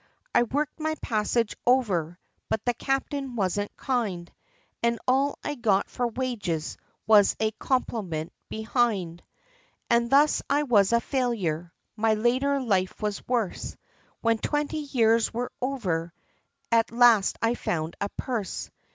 I worked my passage over, but the captain wasn't kind, And all I got for wages, was a compliment behind! And thus I was a failure, my later life was worse, When twenty years were over, at last I found a purse.